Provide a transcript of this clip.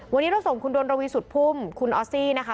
วันนี้เราส่งคุณดนระวีสุดพุ่มคุณออสซี่นะคะ